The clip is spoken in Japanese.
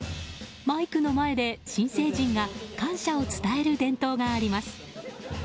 マイクの前で新成人が感謝を伝える伝統があります。